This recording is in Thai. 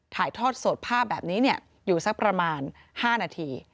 ถ่ายทอดสดภาพแบบนี้อยู่สักประมาณ๕นาที